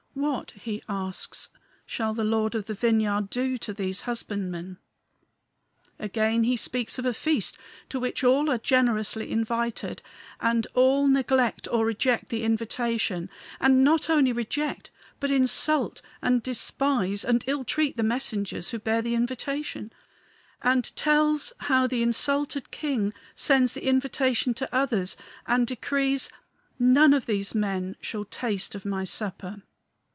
"What," he asks, "shall the Lord of the vineyard do to these husbandmen?" Again, he speaks of a feast to which all are generously invited, and all neglect or reject the invitation, and not only reject but insult and despise and ill treat the messengers who bear the invitation; and tells how the insulted King sends the invitation to others, and decrees, "None of these men shall taste of my supper."